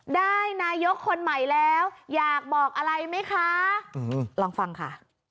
ได้นายกคนใหม่แล้วอยากบอกอะไรไหมคะลองฟังค่ะ